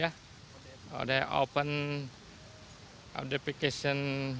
ya odf open